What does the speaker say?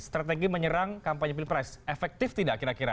strategi menyerang kampanye pilpres efektif tidak kira kira